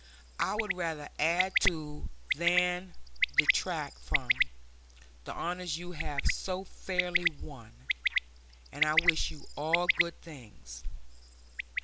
I would rather add to, than detract from, the honors you have so fairly won, and I wish you all good things.